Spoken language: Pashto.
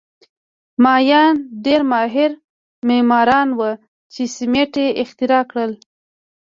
مایان ډېر ماهر معماران وو چې سیمنټ یې اختراع کړل